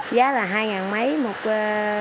giá là hai mấy một số điện